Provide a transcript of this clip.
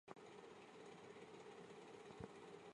褐翅叉尾海燕为海燕科叉尾海燕属下的一个种。